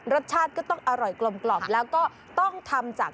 รสชาติก็ต้องอร่อยกลมแล้วก็ต้องทำจาก